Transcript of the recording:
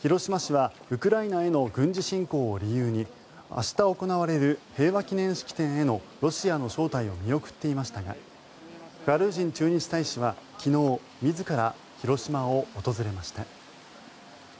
広島市はウクライナへの軍事侵攻を理由に明日行われる平和記念式典へのロシアの招待を見送っていましたがガルージン駐日大使は昨日、自ら広島を訪れました。